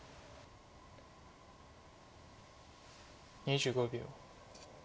２５秒。